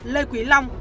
lê quý long